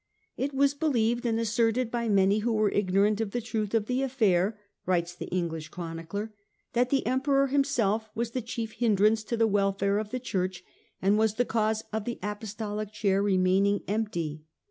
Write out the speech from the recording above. " It was believed and asserted by many who were ignorant of the truth of the affair," writes the English chronicler, " that the Emperor himself was the chief hindrance to the welfare of the Church and was the cause of the Apostolic Chair remaining empty."